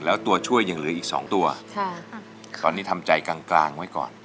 แล้วตัวช่วยยังเหลืออีกสองตัวค่ะตอนนี้ทำใจกลางกลางไว้ก่อน